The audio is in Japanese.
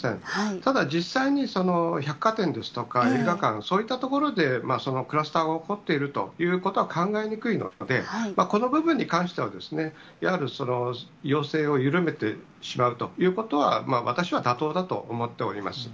ただ実際に、その百貨店ですとか、映画館、そういった所でそのクラスターが起こっているということは考えにくいので、この部分に関しては、やはり要請を緩めてしまうということは、私は妥当だと思っております。